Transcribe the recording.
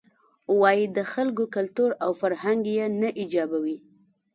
وایې د خلکو کلتور او فرهنګ یې نه ایجابوي.